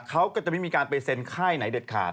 เขาก็จะไม่มีการไปเซ็นค่ายไหนเด็ดขาด